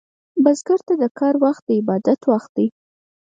بزګر ته د کر وخت عبادت وخت دی